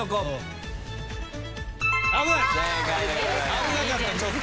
危なかったちょっと。